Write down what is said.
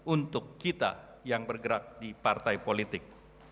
untuk kita yang bergerak di partai politik